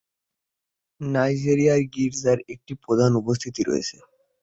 নাইজেরিয়ায় গির্জার একটি প্রধান উপস্থিতি রয়েছে।